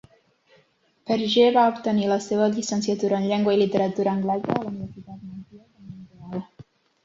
Verjee va obtenir la seva llicenciatura en Llengua i Literatura Anglesa a la Universitat McGill de Mont-real.